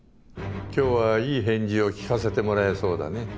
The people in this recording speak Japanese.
今日はいい返事を聞かせてもらえそうだね。